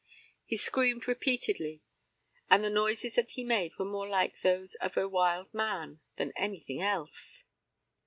He screamed repeatedly, and the noises that he made were more like those of a wild man than anything else.